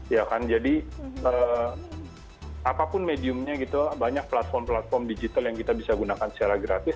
ya kan jadi apapun mediumnya gitu banyak platform platform digital yang kita bisa gunakan secara gratis